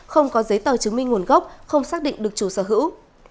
không có giấy tờ chứng minh nguồn gốc không xác định được chủ sở hữu